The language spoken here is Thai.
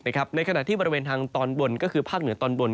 ในขณะที่บริเวณทางตอนบนก็คือภาคเหนือตอนบน